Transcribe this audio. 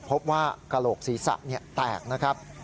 พบว่ากระโหลกศีรษะแตกนะครับ